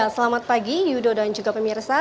selamat pagi yudo dan juga pemirsa